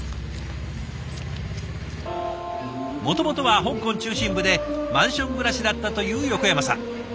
もともとは香港中心部でマンション暮らしだったという横山さん。